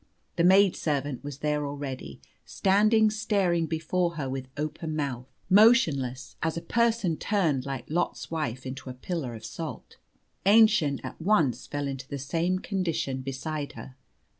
The maid servant was there already, standing staring before her with open mouth, motionless as a person turned like Lot's wife into a pillar of salt. Aennchen at once fell into the same condition beside her.